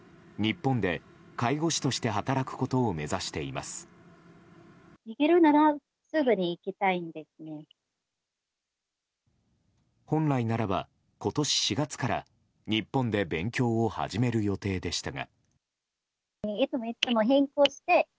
本来ならば今年４月から日本で勉強を始める予定でしたが。